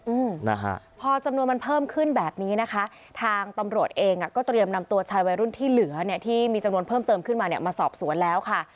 อืมนะฮะพอจำนวนมันเพิ่มขึ้นแบบนี้นะคะทางตำรวจเองอ่ะก็เตรียมนำตัวชายวัยรุ่นที่เหลือเนี่ยที่มีจำนวนเพิ่มเติมขึ้นมาเนี่ยมาสอบสวนแล้วค่ะ